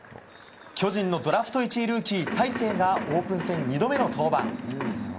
巨人のドラフト１位ルーキー大勢が、オープン戦２度目の登板。